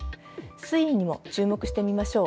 推移にも注目してみましょう。